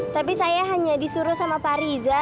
tapi saya hanya disuruh sama pak riza